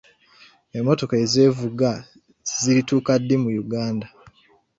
Emmotoka ezeevuga zirituuka ddi mu Uganda?